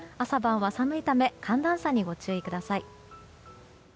朝晩は寒いため寒暖差にご注意ください。